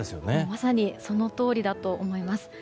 まさにそのとおりだと思います。